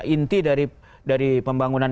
inti dari pembangunan